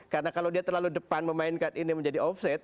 karena kalau dia terlalu depan memainkan ini menjadi off set